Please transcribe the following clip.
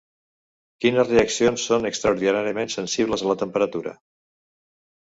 Quines reaccions són extraordinàriament sensibles a la temperatura?